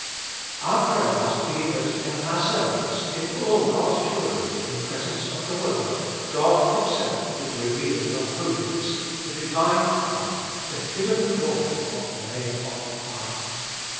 Our prayer must be that in ourselves, in all God's children, in presence of the world, God Himself would reveal the holiness, the Divine power, the hidden glory of the name of Father.